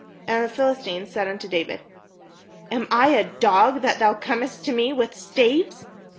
And the PhiUstine said unto David: "Am I a dog, that thou comest to me with staves?